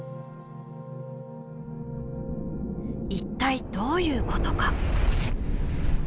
一体どういうことか？